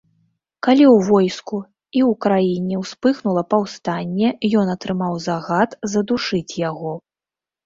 Калі ў войску і ў краіне ўспыхнула паўстанне, ён атрымаў загад задушыць яго.